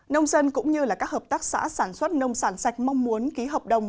nông dân cũng như các hợp tác xã sản xuất nông sản sạch mong muốn ký hợp đồng